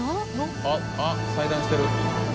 あっあっ裁断してる。